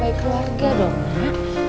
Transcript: baik keluarga dong mak